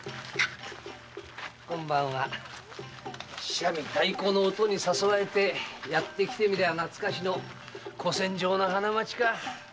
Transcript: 三味太鼓の音に誘われてやってきてみりゃなつかしの古戦場の花街か。